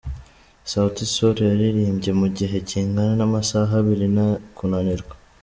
Sauti Sol yaririmbye mu gihe kingana n’amasaha abiri nta kunanirwa.